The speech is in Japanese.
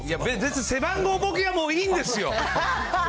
背番号ぼけはもういいんですよ。